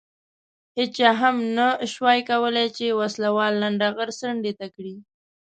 هېچا هم نه شوای کولای چې وسله وال لنډه غر څنډې ته کړي.